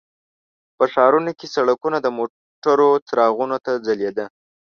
په ښارونو کې سړکونه د موټرو څراغونو ته ځلیده.